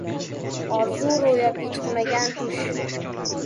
• Orzu — ro‘yobga chiqmagan tush.